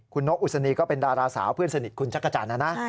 คุณนกอุศณีก็เป็นดาราสาวเพื่อนสนิทคุณชักกระจัดนะ